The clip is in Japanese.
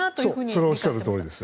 それはおっしゃるとおりです。